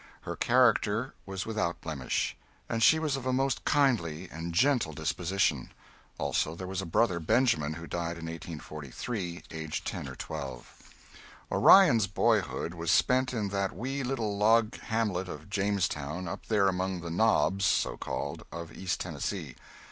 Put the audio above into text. Her character was without blemish, and she was of a most kindly and gentle disposition. Also there was a brother, Benjamin, who died in 1848 aged ten or twelve. [Sidenote: (1843.)] Orion's boyhood was spent in that wee little log hamlet of Jamestown up there among the "knobs" so called of East Tennessee.